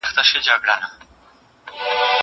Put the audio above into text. ځواب د زده کوونکي له خوا ليکل کيږي!